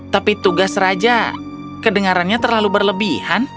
tapi tugas raja kedengarannya terlalu berlebihan